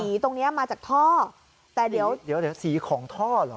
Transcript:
ตรงเนี้ยมาจากท่อแต่เดี๋ยวเดี๋ยวสีของท่อเหรอ